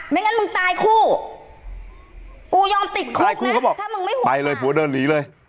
ไม่งั้นมึงตายคู่กูยอมติดคู่ตายคู่เขาบอกไปเลยผัวเดินหนีเลย